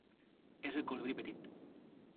És el colibrí petit.